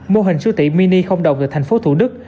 mô hình siêu thị mini không đồng ở thành phố thủ đức